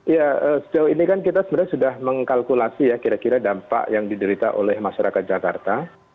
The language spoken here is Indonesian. ya sejauh ini kan kita sebenarnya sudah mengkalkulasi ya kira kira dampak yang diderita oleh masyarakat jakarta